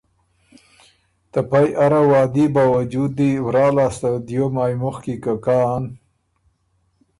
ته پئ اره وعدي باؤجود دي ورا لاسته دیو مایٛ مُخکی که کان